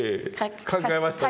考えましたね。